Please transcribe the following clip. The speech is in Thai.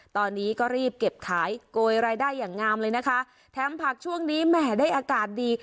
ตอนนี้ก็รีบเก็บขายโกยรายได้อย่างงามเลยนะคะแถมผักช่วงนี้แหมได้อากาศดี